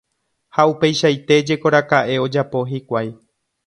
Ha upeichaite jekoraka'e ojapo hikuái.